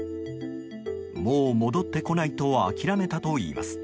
もう戻ってこないと諦めたといいます。